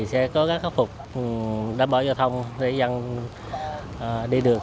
sẽ cố gắng khắc phục đảm bảo giao thông để dân đi đường